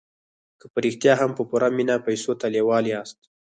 که په رښتیا هم په پوره مينه پيسو ته لېوال ياست.